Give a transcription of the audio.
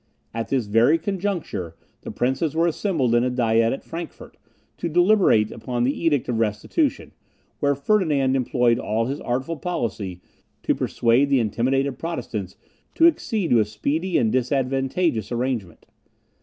At this very conjuncture, the princes were assembled in a Diet at Frankfort, to deliberate upon the Edict of Restitution, where Ferdinand employed all his artful policy to persuade the intimidated Protestants to accede to a speedy and disadvantageous arrangement.